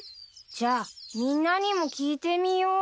じゃあみんなにも聞いてみよう。